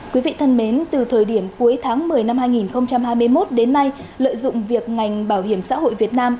quý vị thân mến từ thời điểm cuối tháng một mươi năm hai nghìn hai mươi một đến nay lợi dụng việc ngành bảo hiểm xã hội việt nam